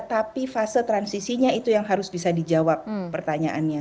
tapi fase transisinya itu yang harus bisa dijawab pertanyaannya